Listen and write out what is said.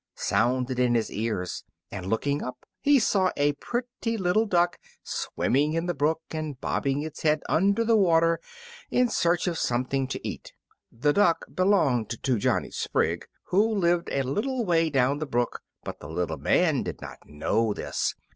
sounded in his ears; and looking up he saw a pretty little duck swimming in the brook and popping its head under the water in search of something to eat. The duck belonged to Johnny Sprigg, who lived a little way down the brook, but the little man did not know this.